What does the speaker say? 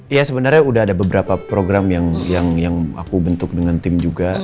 iya sebenarnya udah ada beberapa program yang aku bentuk dengan tim juga